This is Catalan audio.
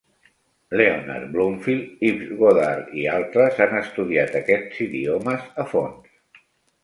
Leonard Bloomfield, Ives Goddard i altres han estudiat aquests idiomes a fons.